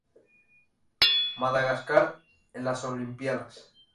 Madagascar en las Olimpíadas